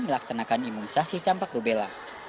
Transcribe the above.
melaksanakan imunisasi campak rubella